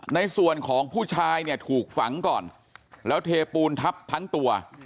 ในส่วนของผู้ชายเนี่ยถูกฝังก่อนแล้วเทปูนทับทั้งตัว